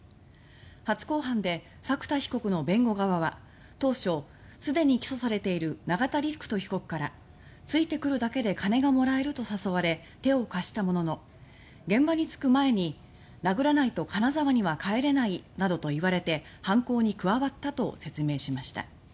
初公判で作田被告の弁護側は当初、すでに起訴されている永田陸人被告からついてくるだけで金がもらえるなどと誘われ手を貸したものの現場に着く前に殴らないと金沢には帰れないなどと言われて犯行に加わったと説明しました。